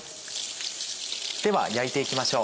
では焼いて行きましょう。